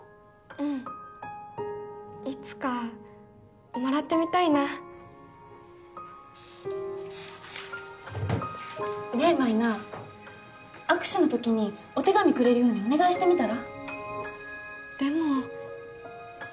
うんいつかもらってみたいなねぇ舞菜握手の時にお手紙くれるようにお願いしてみたら？